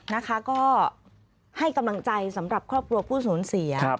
นะคะก็ให้กำลังใจสำหรับครอบครัวผู้สูญเสีย